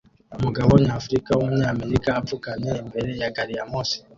Umugabo nyafrica wumunyamerika apfukamye imbere ya gari ya moshi